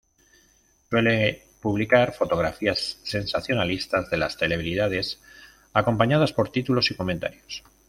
Suele publicar fotografías sensacionalistas de las celebridades, acompañadas por títulos y comentarios.